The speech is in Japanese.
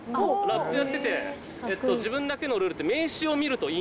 ラップやってて自分だけのルールって。